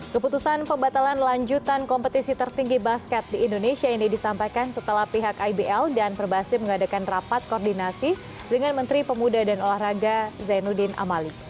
keputusan pembatalan lanjutan kompetisi tertinggi basket di indonesia ini disampaikan setelah pihak ibl dan perbasi mengadakan rapat koordinasi dengan menteri pemuda dan olahraga zainuddin amali